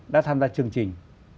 đã tham gia chương trình